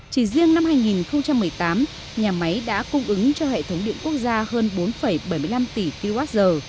chỉ riêng năm hai nghìn một mươi tám nhà máy đã cung ứng cho hệ thống điện quốc gia hơn bốn bảy mươi năm tỷ kwh